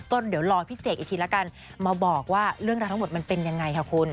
ก็เดี๋ยวรอพี่เสกอีกทีละกันมาบอกว่าเรื่องราวทั้งหมดมันเป็นยังไงค่ะคุณ